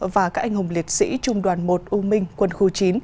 và các anh hùng liệt sĩ trung đoàn một u minh quân khu chín